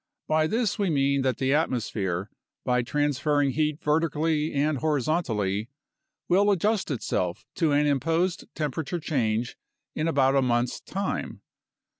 By this we mean that the atmosphere, by transferring heat vertically and horizontally, will adjust itself to an imposed temperature change in about a month's time.